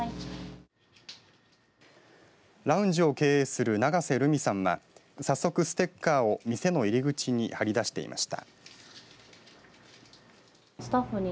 ラウンジを経営する長瀬留美さんは早速ステッカーを店の入り口に貼り出していました。